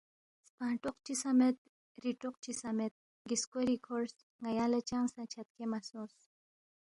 سپنگ ٹوق چی سہ مید، ری ٹوق چی سہ مید، گِسکوری کھورس، ن٘یا لہ چنگ سہ چھدکھے مہ سونگس